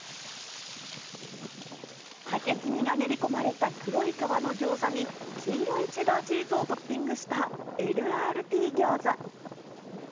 竹炭が練り込まれた黒い皮のギョーザに、黄色いチェダーチーズをトッピングしたＬＲＴ餃子。